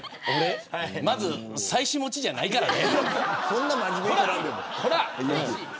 まず妻子持ちじゃないからね。